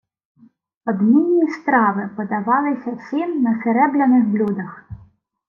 «Одмінні страви подавалися всім на серебляних блюдах.